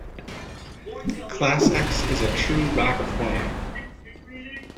ClassX is a True Rock format.